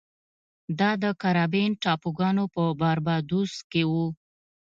دا د کارابین ټاپوګانو په باربادوس کې و.